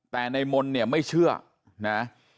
แต่ในมนต์เนี่ยไม่เชื่อนะ